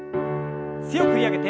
強く振り上げて。